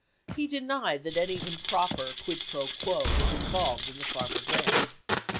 He denied that any improper quid fro quo was involved in the F armer grant.